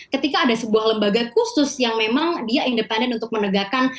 ketika ada sebuah lembaga khusus yang memang dia independen untuk menegakkan